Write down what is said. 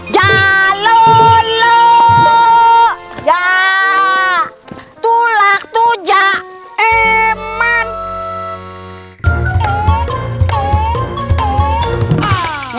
jalur ya tulak tujak emang